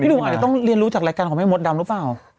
หนุ่มอาจจะต้องเรียนรู้จากรายการของแม่มดดำหรือเปล่า